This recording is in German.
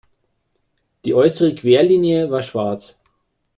Die äußere Querlinie war schwarz.